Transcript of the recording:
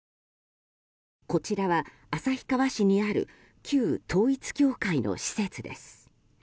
こちらは、旭川市にある旧統一教会の施設です。